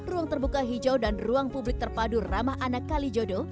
ruang terbuka hijau dan ruang publik terpadu ramah anak kalijodo